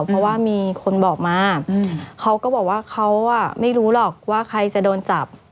เพราะว่ามีคนบอกมาเขาก็บอกว่าเขาไม่รู้หรอกว่าใครจะโดนจับ